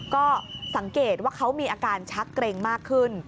ก็สังเกตว่าเขามีอาการชักเกร็งมากขึ้น